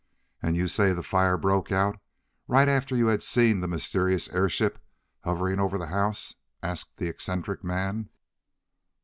"And you say the fire broke out right after you had seen the mysterious airship hovering over the house?" asked the eccentric man.